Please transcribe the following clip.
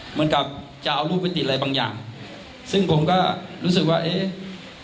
เหมือนกับจะเอารูปไปติดอะไรบางอย่างซึ่งผมก็รู้สึกว่าเอ๊ะ